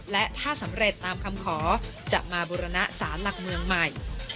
และถ้าสำเร็จตามคำขอจะมาบุรณะสารหลักเมืองใหม่